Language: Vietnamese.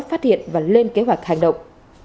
phát hiện và lên kế hoạch hành động